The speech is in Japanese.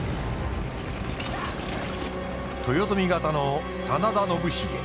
豊臣方の真田信繁。